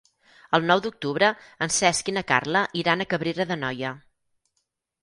El nou d'octubre en Cesc i na Carla iran a Cabrera d'Anoia.